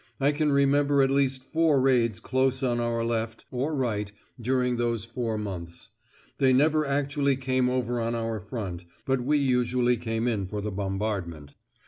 I can remember at least four raids close on our left or right during those four months; they never actually came over on our front, but we usually came in for the bombardment.